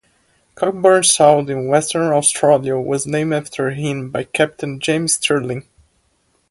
Cockburn Sound in Western Australia was named after him by Captain James Stirling.